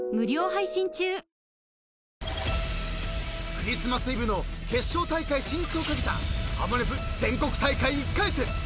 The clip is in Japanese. ［クリスマスイブの決勝大会進出を懸けた『ハモネプ』全国大会１回戦］